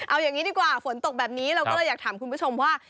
เอาอย่างนี้ดีกว่าฝนตกแบบนี้เราก็เลยอยากถามคุณผู้ชมว่า